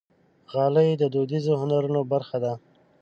غالۍ د دودیزو هنرونو برخه ده.